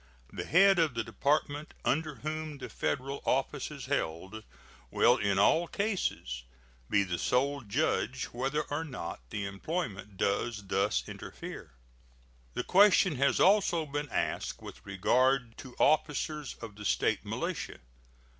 The head of the Department under whom the Federal office is held will in all cases be the sole judge whether or not the employment does thus interfere. The question has also been asked with regard to officers of the State militia.